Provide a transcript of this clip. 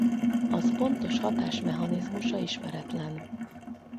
Az pontos hatásmechanizmusa ismeretlen.